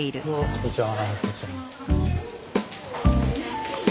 こんにちは。